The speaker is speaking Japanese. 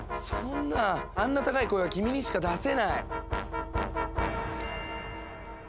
そんなあんな高い声は君にしか出せない。